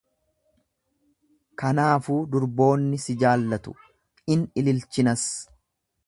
kanaafuu durboonni si jaallatu; in ililchinas;